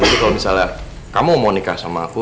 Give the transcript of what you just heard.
jadi kalau misalnya kamu mau nikah sama aku